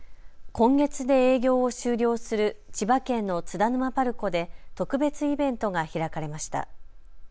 今月で営業を終了する千葉県の津田沼パルコで特別イベントが開かれました。